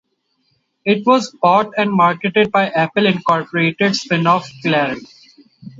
It was bought and marketed by the Apple Incorporated spin-off Claris.